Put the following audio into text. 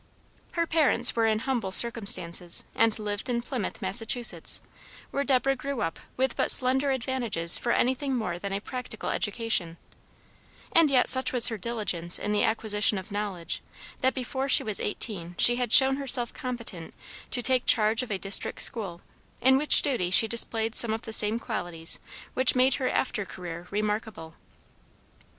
Her parents were in humble circumstances, and lived in Plymouth, Massachusetts, where Deborah grew up with but slender advantages for anything more than a practical education; and yet such was her diligence in the acquisition of knowledge, that before she was eighteen she had shown herself competent to take charge of a district school, in which duty she displayed some of the same qualities which made her after career remarkable.